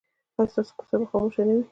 ایا ستاسو کوڅه به خاموشه نه وي؟